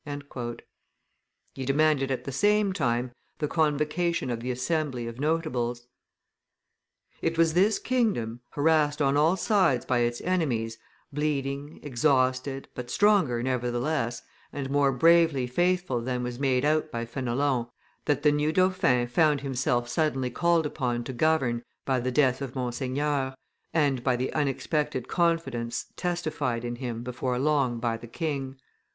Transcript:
He demanded at the same time the convocation of the assembly of notables. It was this kingdom, harassed on all sides by its enemies, bleeding, exhausted, but stronger, nevertheless, and more bravely faithful than was made out by Fenelon, that the new dauphin found himself suddenly called upon to govern by the death of Monseigneur, and by the unexpected confidence testified in him before long by the king.